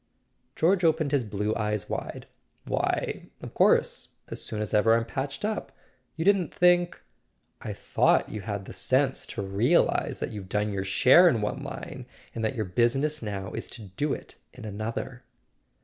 George opened his blue eyes wide. "Why, of course; as soon as ever I'm patched up. You didn't think ?"" I thought you had the sense to realize that you've [ 358 ] A SON AT THE FRONT done your share in one line, and that your business now is to do it in another."